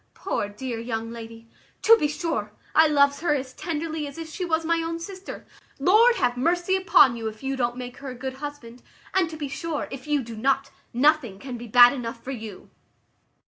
Poor dear young lady! To be sure, I loves her as tenderly as if she was my own sister. Lord have mercy upon you, if you don't make her a good husband! and to be sure, if you do not, nothing can be bad enough for you."